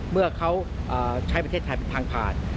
เมื่อเขาใช้ประเทศไทยเป็นทางผ่าน